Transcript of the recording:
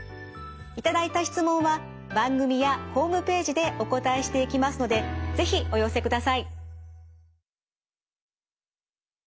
頂いた質問は番組やホームページでお答えしていきますので是非お寄せください。